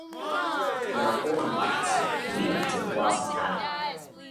Now pour on white acid, and leave it until the glass is matted.